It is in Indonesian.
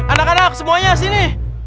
anak anak semuanya sini